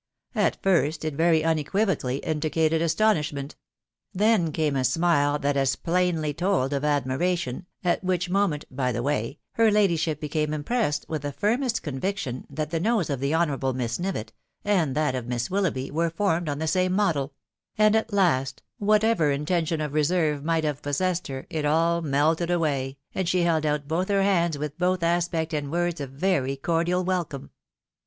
At first it very unequivocally indicated astonishment ••• then came a smile that as plainly told of admiration (at which moment, by the way, her ladyship became impressed with the firmest conviction that the nose of the honourable Miss Nivett, and that of Miss Willoughby, were formed on the same model), and at last, whatever intention of reserve might have possessed her, it all melted away, and she held out both her hands with both aspect and words of very cordial welcome.